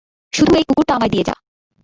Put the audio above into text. শুধু এই কুকুরটা আমায় দিয়ে যা।